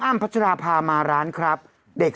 พัชราภามาร้านครับเด็ก